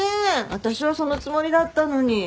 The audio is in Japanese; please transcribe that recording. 私はそのつもりだったのに。